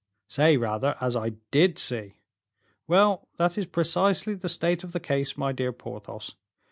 "Say rather, as I did see. Well, that is precisely the state of the case, my dear Porthos.